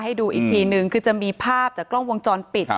ให้ดูอีกทีนึงคือจะมีภาพจากกล้องวงจรปิด